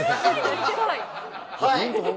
はい。